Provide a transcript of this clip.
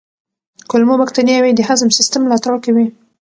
کولمو بکتریاوې د هضم سیستم ملاتړ کوي.